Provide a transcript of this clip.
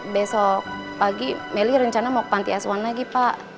besok pagi melly rencana mau ke panti asuhan lagi pak